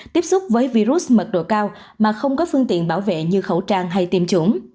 tiếp xúc với virus mật độ cao mà không có phương tiện bảo vệ như khẩu trang hay tiêm chủng